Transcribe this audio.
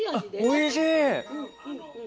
おいしい！